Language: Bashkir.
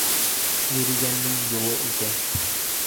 Йөрөгәндең юлы үтә